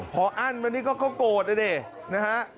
พออั้นวันนี้ก็เขากลัวเลยนะฮะ